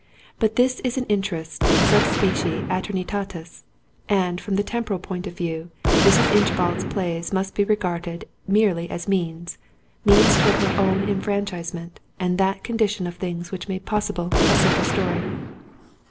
But that is an interest sub specie aeternitatis; and, from the temporal point of view, Mrs. Inchbald's plays must be regarded merely as means—means towards her own enfranchisement, and that condition of things which made possible A Simple Story.